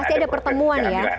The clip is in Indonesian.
pasti ada pertemuan ya